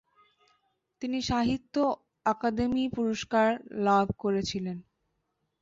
তিনি সাহিত্য অকাদেমি পুরস্কার লাভ করেছিলেন।